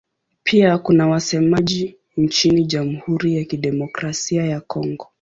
Pia kuna wasemaji nchini Jamhuri ya Kidemokrasia ya Kongo.